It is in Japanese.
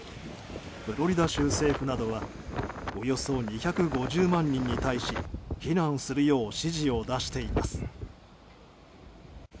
フロリダ州政府などはおよそ２５０万人に対し避難するよう指示を出しています。